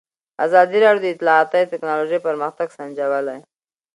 ازادي راډیو د اطلاعاتی تکنالوژي پرمختګ سنجولی.